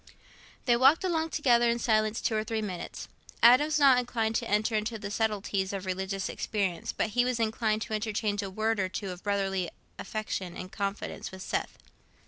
They walked along together in silence two or three minutes. Adam was not inclined to enter into the subtleties of religious experience, but he was inclined to interchange a word or two of brotherly affection and confidence with Seth.